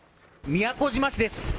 宮古島市です。